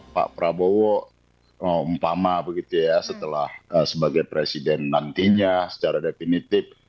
pak prabowo umpama begitu ya setelah sebagai presiden nantinya secara definitif